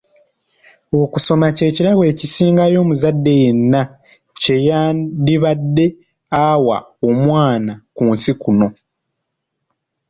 Okusoma kye kirabo ekisingayo omuzadde yenna kye yandibadde awa omwana ku nsi kuno.